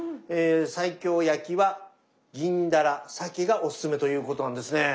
西京焼きは銀ダラサケがおすすめということなんですね。